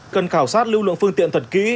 cần khảo sát lưu lượng phương tiện thật kỹ